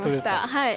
はい！